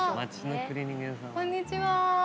こんにちは。